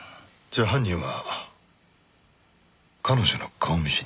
じゃあ犯人は彼女の顔見知り？